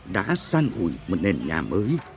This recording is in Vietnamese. đã san ủi một nền nhà mới